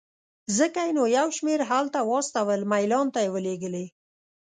ځکه یې نو یو شمېر هلته واستول، میلان ته یې ولېږلې.